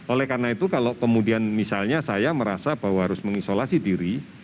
oleh karena itu kalau kemudian misalnya saya merasa bahwa harus mengisolasi diri